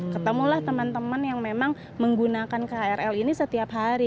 ketemulah teman teman yang memang menggunakan krl ini setiap hari